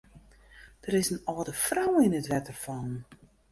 Der is in âlde frou yn it wetter fallen.